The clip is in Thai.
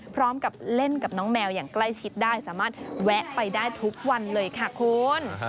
พร้อมกับเล่นกับน้องแมวอย่างใกล้ชิดได้สามารถแวะไปได้ทุกวันเลยค่ะคุณ